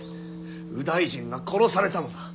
右大臣が殺されたのだ。